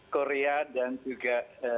korea dan juga